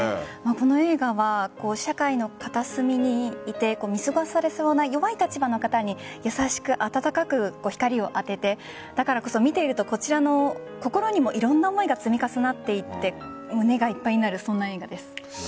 この映画は、社会の片隅にいて見過ごされそうな弱い立場の方に優しく温かく光を当ててだからこそ見ているとこちらの心にもいろんな思いが積み重なっていって胸がいっぱいになる映画です。